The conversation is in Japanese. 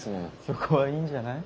そこはいいんじゃない。